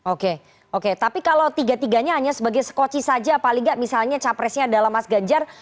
oke oke tapi kalau tiga tiganya hanya sebagai skoci saja paling nggak misalnya capresnya adalah mas ganjar